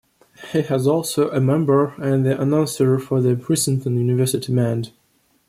He was also a member and the announcer for the Princeton University Band.